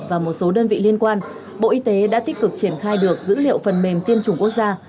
và một số đơn vị liên quan bộ y tế đã tích cực triển khai được dữ liệu phần mềm tiêm chủng quốc gia